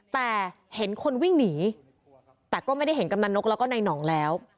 แต่เห็นคนวิ่งหนีแต่ก็ไม่ได้เห็นกำนันนกแล้วก็นายหน่องแล้ว